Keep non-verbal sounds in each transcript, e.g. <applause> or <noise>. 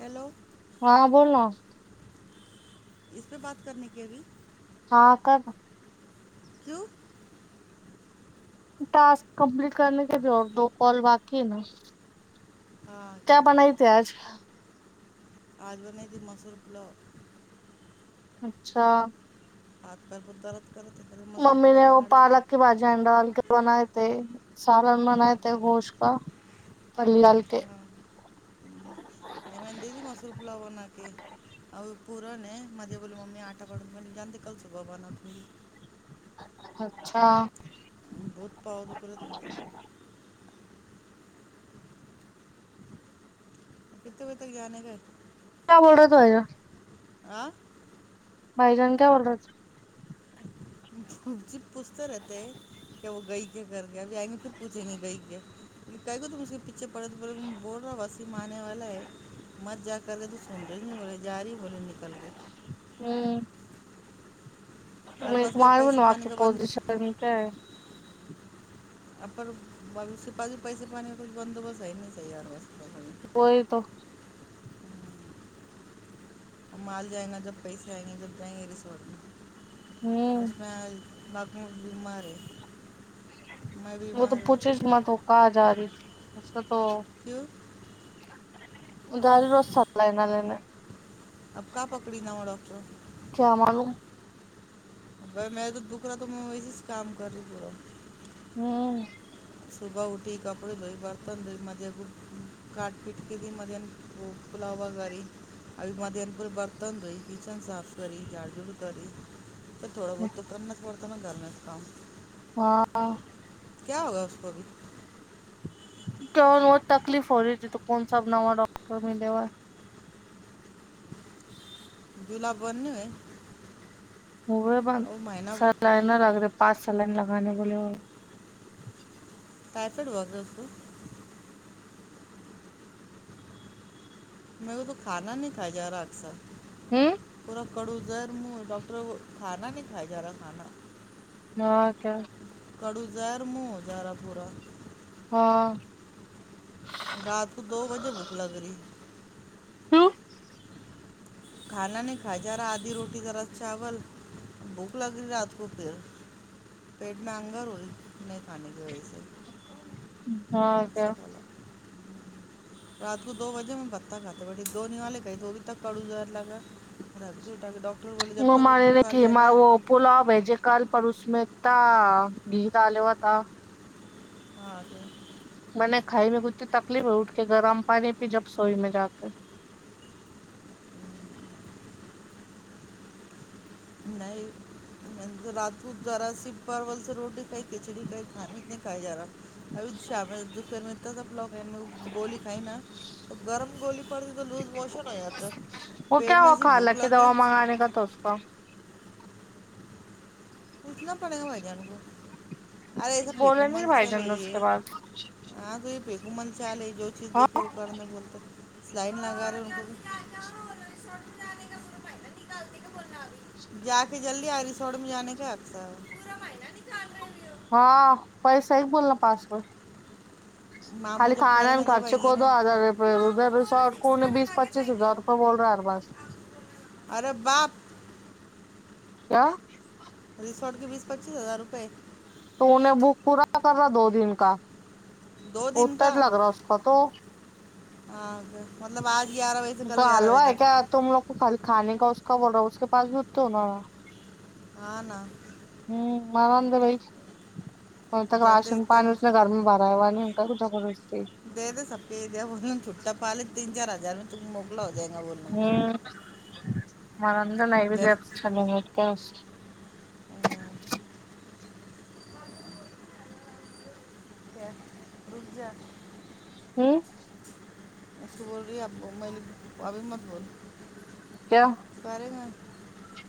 Hello ہاں بو اس پہ بات کرنے کے ابھی ہاں کب کیوں ٹاسک کمپلیٹ کرنے کے لیے اور دو کال باقی ہے نا ہاں کیا بناائی تھ آج آجو میںید مصوورپ ل اچھا آ پار بترت ممی نے وہ پالک کی بھجیاں ڈال کے بنائے تھے سالن بنائے تھے گوشت کا پلی ڈال کے ہ نہیں م د تی مسور پلا بنا کے ا پورا ہے مھے بولے ممی آٹا پڑوں ب جانتے کل سےو بگان اٹ اچھا بہت پؤ ل کرا ت مارے کتنے بج تری جان گھر کیا بول رہا تو ویرا آ بائی جان کیا بول رہ تھا ج پوچھتے رہتے ہیں کہ وہ گئی کیا کر گ ابھی آئیں گے پھر پوچھیں گے گئی کیا گچ اچھے پڑے تو پڑ بول رہا بس م آنے والا ہے مر جا کر تو سن رہے نہیں بولے جا رہی بولے نکل کے ہمارے ایک پاس کبھی مارو ن پیسے پانی آکی کا بند پزیشن کیا ا پاازی پیسے پانی کا کچھ بندوبست ہے نہیں صاہی ہار و کوئی تو ہم مال جائیں گا جب پیسے آئیں گے جب جائیں گے ہمم ریسورٹ میں <unintelligible> م بھی مارے <inaudible> وہ تو پوچھیس مت کہاں جا رہی اچا <inaudible> تو کیوں تو گڑ رست <unintelligible> اب کا پکڑ نہا ہو ڈاکاکٹر کیا معلوم بھائی میں تو دکھ رہا تھا میں وہی سے کام کر رہی پورا ہوں صبح اٹھی کپڑے دھوئی برتن دھوئی مد پ کاٹ پٹ کے دی مد پلاوا کری ا مد پورے برتن دھوئی کچن صاف کری جاڑ جڑ کری تھوڑا بہ تو کرنا پ کت میں گھر میں کام <unintelligible> ہاں کیا ہوگا ہوبھی کیا بہت تکلیف ہو رہی تھی تو کون سا نواں ڈاکٹر ملے ہوا جلہ بند نہیں ہے م ب س لائ نہ رگ رہ <unintelligible> پانچ سلن لگانے بولے ہو کا پڑوا گس میں وہ تو کھانا نہیں کا جاارا اکثر ہوں ک زر ڈٹر کانا نہیں کائے جارا کھانا ن کے <unintelligible> ہڑ ہزار م ہزارہ پورا ہاں رات کو دو بجے بھک لگ رہی ہوں کھانا نہیں کھا جا رہا آدھی روٹی دراس چاول بھوک لگ رہی رات کو پھر پیٹ میں انگر ہوی نہیں پانی بھیس ہاں م سے کیا ک رات کو دو بجے میں بتہ کھاتے بیٹھی د نہیں والے گئے تو ا بھیھی تک کڑوز ل گاا ڈاکٹ <unintelligible> وہ منی ل کہ وہ پلاب ہے ج کال پروس اسمتا گیت آل ہوتا <unintelligible> ہاں ج <inaudible> میں نے کھائی میں کتنی تکلیف ہو اٹھ کے گرم پانی پ جب سوئی میں جا کے نہیں رات کو ذرا س پرول سے روٹی کئی کھچڑی کئی کھانے ات نہیں کھائی جا رہا ابھی شام میں دو پر میں انا سب لوگ گولی کھائی نا گرم گولی پڑی تو لوز موشن ہو جاتا وہ پیٹ کیا میں ہوا ایسی خالہ بھوک کی لگ دوا رہی منگانے کا تھا اس کا کچ نہ پل ہو جان گ ارے سب پیک بولے مل نہیں بھائی چلے جان نے اس کے ہے بعد ہاں کو پ کو م جلے جو چیز ہاں دیکے وہ کرنا بولتا لائن لگا رہے کو جا کے جلدی آ رہی سوڑ مجانے کیاپتا ہاں بی صحی بولنا پاس کو ماموں خالی جب کھانا کریں میں گے جب خرچے آئیں گے کو نا دو ہزاروپ ریسارٹ کون بیس پچیس ہزار روپئے بول رہا ہے بس اورے بپ کیا سوٹ کے بیس پچیس ہزار روپئے تو انیں بک پورا کرا دو دن کا دو دن اتر کا لگ رہا اس کا تو ہاں مطلب آج گیارہ بجے سے کل گیارہ حلوا بجے ہے کیا تک تم لوگ کو کل کھانے کا کا بول رہا ہ اس کے پاس بھی تو نا ہ ن ہوں مارند بئی ابھ تک گندے راشن ایک ٹائم پانی اس نے گھر میں بھرا ہے ہوا نہیں <inaudible> دے د سب دے ب چھوٹا پال تینن چارج جر ہ مر اندر نہیں تیرے جائے چلے م کیا <inaudible> ہوں بول رہی آپ میں ابھی مت بول کیا برے میں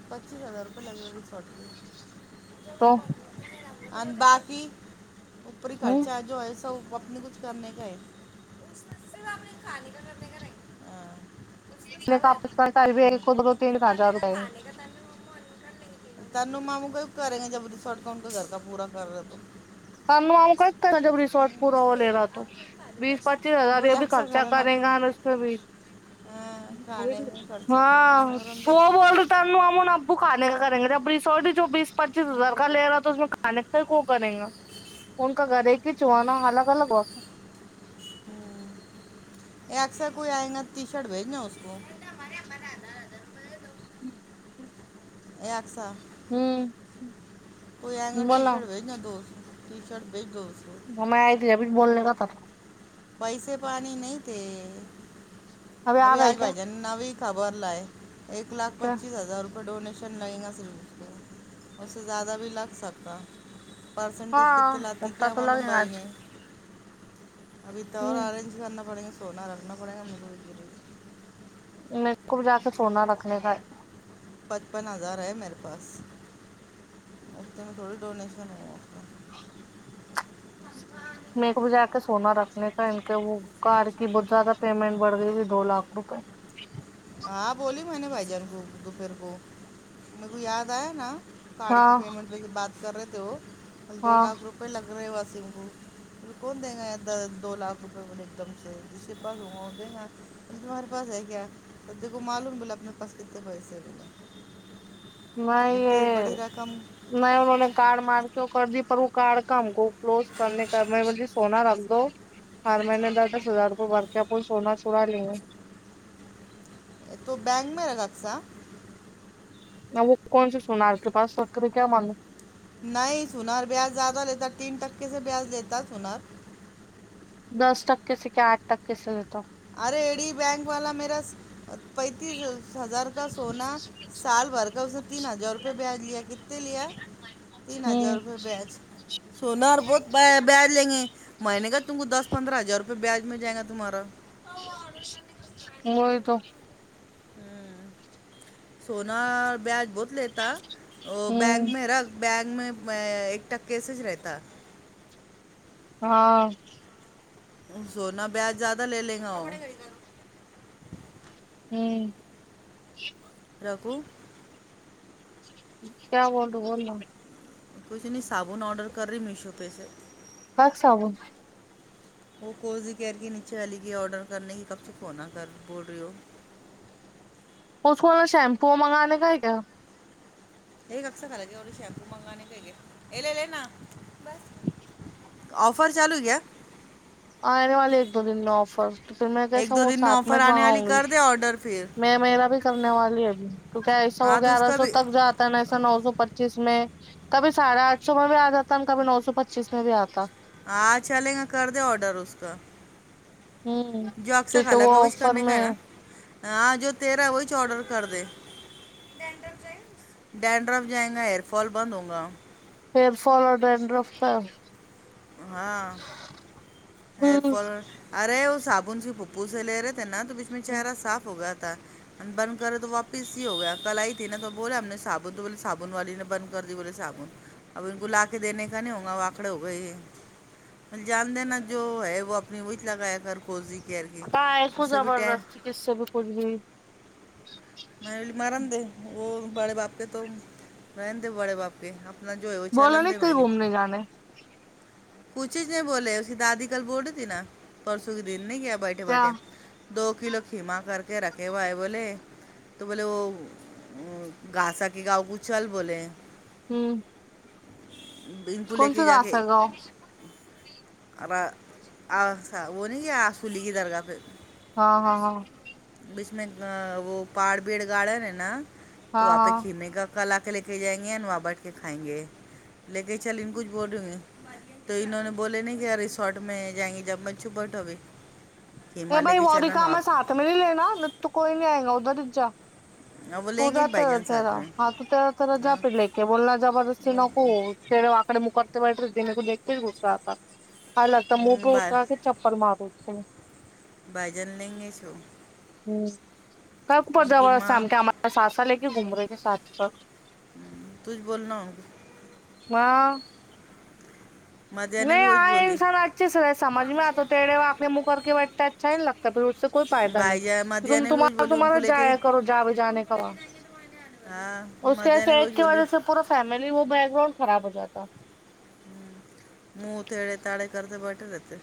پچیس ہزار روپئے لگے وہی چوٹ پ تو اور باقی پوری ہوں خرچہ جو ایسا ہی اپنے کچھ کرنے کا ہے کے کانے کا اس میں سب رہتا ہاں۔ جو کرنے کا کھانے کا <unintelligible> تن مامو کوئی کریں گے جبد سٹ کر ہن کا گ کا پورا کر ل دو س آام کرتا ہے نا جب ریسورٹ پورا وہ یہ لے رہا تو آپ کو کھانے کا بیس پچ پیس ہزار بولے بھی اکثر خرچا کھانا نا کریں گا اپن اس بھی ہاں، کھانے میں خرچہ کریں گے ہاں محرم دے وہ بول رہ تھا ام ابو کھانے کا کریں گے جب ریسورٹ ہی جو بیس پچیس ہزار کا لے رہا ہے تو اس میں کھان کا کو کریں گا ان کا گھر ایک ہی چوانا الگ الگ ہو کہ اکثر کوئی آئے گا ٹی شرٹ بھیجنا اس کو <unintelligible> ایک سا ہوں کو ای گ ٹی بولا شرٹ وا دو سو ٹی شرٹ بیگ ہ میں آئی تھی اب بولنے کا تھا تو پیسے پانی نہیں تھے آ ابھی گئے آج کیا بھائی جان نوی سامان لیے ایک لاک کیا پچیس ہزار روپئے ڈونیٹ شن لگے گا سر کو اس سے زیادہ بھی لگ سکتا پرسنٹیج کتتے ہاں لات ت پتا کیا تو معلوم لگے بھائی آج نے ابھی تو اور ہ آرنج کرنا پڑے گا بنا رہ سنا پڑھے ہم ہے میرے کو بھی جا کے چوڑنا رکھنے کا پچپن ہزار ہے میرے پاس استے میں تھوڑی ڈونیشن ہوا میرے کو بھی جا کے سونا رکھنے وہ کار کی بہت زیادہ پیمنٹ بڑھ گئی ہوئی دو لاکھ روپئے ہاں بولی میں نے بھائی جان کو دوپہر کو میرے کو یاد آیا نا پڑی ہاں پیمنٹ پہ سے بات کر رہے تھ تو دو ہاں لاکھ روپئے لگ رہے وس کون دیں گا دو لاکھ روپے ایک دم سے جس کے پاسا دے گا تمہارے پاس ہے کیا تو دیکھو معلوم بولے اپنے پاس کتے پیسے بلا نہیں یہ نہیں انہوں نے کارڈ مار کے کر دی پر وہ کارڈ کا ہم کو کلوز کرنے کا میں م سونا رکھ دو ہر میں نے دس دس ہزار روپئے بورق پ سونا چڑا لے تو بینک میں ر گا سا ا وہ کون سا سنا آپ کے پاس فکر کیا معانوم نہیں سنا بیاز زیادہ لیتا تین ٹکے سے بیاج دیتا تت ہور دس ٹکے سے کیا آٹھ ٹکے سے دیتا ہ ارے ایڈی بینک والا میرا پینتیس ہزار کا سونا سال بھر کا اس نے تین ہزار روپے بیاج لیا کتنے لیا تین ہزار روپے بیاج سونا اور بہت بیاج لیں گے مہینے کا تم کو دس پندرہ ہزار روپے بیاج میں جائے گا تمہارا وہ تو ہ سناار بیاج بہت ک لتا بینک ہوں میں ر بینک میں میں ایک ٹککےسج رہتا ہاں سونا بیاج زیادہ لے لے گا اور <inaudible> رکو کیا بڈ ب کچھ نہیں صابن آڈر کر رہی میشو پہ سے کک صاب وہ کوورز کیئر کے نیچے علی کے آرڈر کرنے کی کب چ کونا کر بول رہی ہو اس کو شیمپو منگانے کا ہے کیا یہ کسا کل گے اور شیمپو منگان کے گے یہ لے لےینا جی آفر چالو کیایا آنے والے ایک دو دن میں آفر تو پھر میں جسا ایک دو وہ دن ساتھ میں آفر آنے والی منگاؤں گی کر دے آرڈر پھر۔ میں میرا بھی سبنے والی ابھی توہ ایسو ہاں تو اس گیارہ کا سو بھی تک جاتا نا ایسا نو سو پ پچیس میں کبھی ساھے آٹھ سو میں بھی آ جاتا ن کبھی نو سو پچیس میں بھی آتا ہاں چلیں گا کر د آڈر اس کا ہوں جو اکثر کیونکہ خالہ وہ کا وہی آفر کرنے کا ہے میں نا۔ ہاں جو تیرا وہی چ آڈر کر دے ڈینڈرا جائیں گا hair fall been ہووں God here فال اورڈ رف کا ہاں ہر فال ارے وہ ساب آ سے پپو زر نا تو بیچ میں چہرہاف ہو گیا تھا ہم بند کرے تو واپس ہی ہو گیا کل آئی تھی نا تو بولے ہم نے صابن تو بولے صابن والی نے بند کر دی بولے صابن اب ان کو لا کے دینے کا نہیں ہوگا وہ آکڑے ہو گئے جان دینا و ہے وہ اپنی اچ لگایا کر کوزی کیئر کی ہاں ایکو اس سے بھی ٹین زبردست کس سے بھی کچھ بھی <inaudible> ملی مار د وہ بڑے باپ کے تو رہ تھے بڑے باپ کے جو ہے وہ ب ن چلن دے ت میں گھومنے جانے کچھچ نہیں بولے اس کی دادی کل بوول تھی نا پرسوں کے دن نہیں کیا بیٹھے بیٹھے دو کلو کھیما کر کے رکھے ہواائے بولے تو بولے وہ گھاسا کے گاؤں کو چل بولے ہوں ان کو لے کون س کے جا گاس کے ہے گاؤ وہ نہیں کیا آ سولی کی درگاہ پہ ہاں ہاں ہاں بیچ میں وہ پاار بیڑ گارڈن ہے نا تو ہاں آپہ ہاں کھینے کا کال <unintelligible> لے کے جائیں گے ن وہاں بیٹھ کے کھائیں گے لے کے چل ان کچھ بولوں گے تو انہوں نے بولے ن ار ریسارٹ میں جائیں گے جب میں چھپٹ ہوی <inaudible> ا بھائی اوری کام ہے ساتھ میں نہیں لینا تو کوئی نہیں آئے گا ادھر ہی جا <inaudible> ہاں وہ تو لیں گے جاتا بھائی رہ جان ساتھ تیرا میں ہاں تو تا طرا جا ہاں پہ لے کے بولنا زبردستی وہ- نک <inaudible> مکتے وائٹ رہ دیکنےک ایکتے گس آ <inaudible> ال لگتا مو ہوں، پر ا بھائی کا سے چپل مارو اس ہیں <inaudible> بھائی جن لیں گے سو <inaudible> ہوں <inaudible> کرپ ان کی جبور س سے س ماں ہم کہ آ ہمارا سا سا ل گ گھوم رہے <inaudible> سات سات <unintelligible> ہ تھ بول ن <inaudible> و <unintelligible> مدیہ نے نہیں بھی آ وہی بولی انسان اچھے سے رہے وہ سمج میں آ ہماری تو ہماری تھڑے فیملی آاکنےے جائے مک اس کے لیے ان بٹتا ہے کو <inaudible> کچھ چائن نہیں لگتا ہے <inaudible> سے کوئی ہے فائدہ بھائی جان مدیہ نہیں نے ت بھی وہی بولی ان تمہارا کو لے کے جایا کرو جا بھی ان جانے کو کا لے کے جائیں گے تو وہاں جانے والے ہاں اس مدیہ نے کےسے ایک وہی کی بولی وجہ سے پورا فیملی وہ بیک گراؤنڈ خراب ہو جاتا تو <unintelligible> منہ تھڑے تاڑے کرتے بیٹھے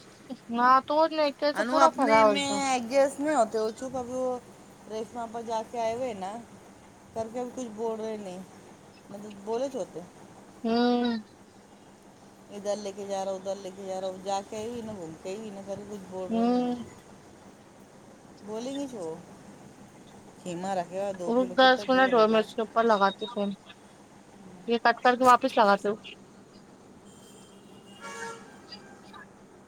ہاں تو ایک طرح <inaudible> سے انو پورا اپنے بھرا ہو گیا۔ میںیس نہیں ہوتے وہ چپ <inaudible> ریسٹوراںپ پر ج کے آئے ہوئے نا کر کے کچھ بول رہے نہیں <inaudible> نہیں بولے چ ہوتے <unintelligible> ہوں ادھر لے کے ج رہا ادھر لے کے جا رہا جا کے بھی ن بولتے بھی ن <inaudible> ویری گڈ بول رہی ہوں ہیں <unintelligible> بلی گی چو خما رکھ <inaudible> رک گ اس ڈ مرچ کے اوپر لگاتی تھھی <inaudible> یہ کٹ کر کے واپس لگا دو ج <unintelligible>